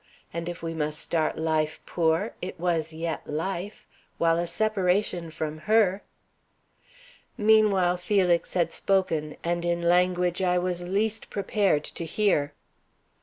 And if we must start life poor, it was yet life, while a separation from her Meanwhile Felix had spoken, and in language I was least prepared to hear.